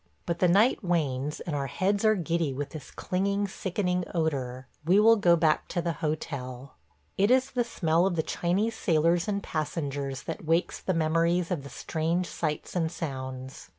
... But the night wanes and our heads are giddy with this clinging, sickening odor. We will go back to the hotel. It is the smell of the Chinese sailors and passengers that wakes the memories of the strange sights and sounds.